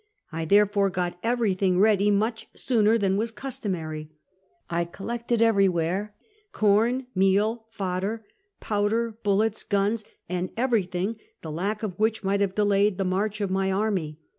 I therefore got everything ready much sooner than was customary. I collected everywhere com, meal, fodder, powder, bullets, guns, and everything the lack of which might have delayed the march of my army.